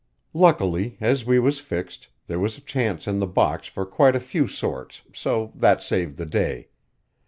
"Luckily, as we was fixed, there was a chance in the box for quite a few sorts, so that saved the day.